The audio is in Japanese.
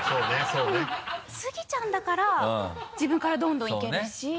スギちゃんだから自分からどんどんいけるし。